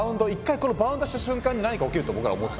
このバウンドした瞬間に何か起きると僕らは思った。